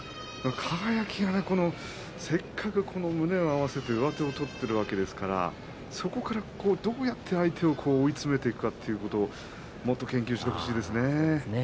輝がせっかく胸を合わせて上手を取っているわけですからそこからどうやって相手を追い詰めていくかということをもっと研究してほしいですね。